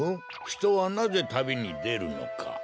ひとはなぜたびにでるのか。